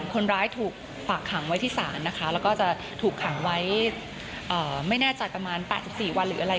คนร้ายถูกฝากขังไว้ที่ศาลนะคะแล้วก็จะถูกขังไว้ไม่แน่ใจประมาณ๘๔วันหรืออะไร